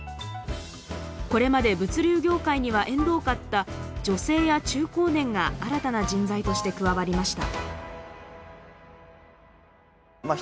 これまで物流業界には縁遠かった女性や中高年が新たな人材として加わりました。